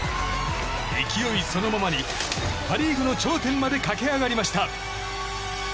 勢いそのままにパ・リーグの頂点まで駆け上がりました。